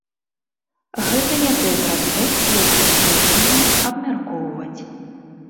Гэта не той прадмет, які мы павінны абмяркоўваць.